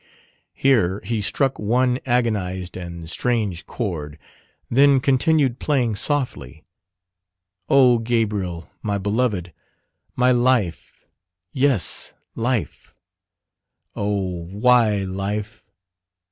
Here he struck one agonized and strange chord, then continued playing softly, "O, Gabriel, my beloved! my life, yes life oh, why life?